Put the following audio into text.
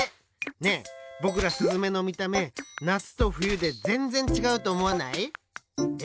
ねえぼくらスズメのみため夏と冬でぜんぜんちがうとおもわない？え？